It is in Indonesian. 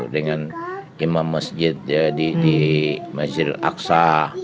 dengan imam masjid di masjid al aqsa